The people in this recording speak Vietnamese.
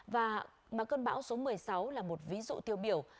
và cơn bão số một mươi sáu là một ví dụ tiêu biểu